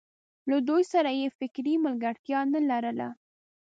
له دوی سره یې فکري ملګرتیا نه لرله.